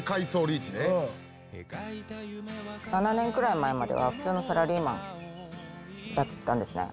７年くらい前までは普通のサラリーマンだったんですね。